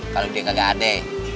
kalau dia kagak ada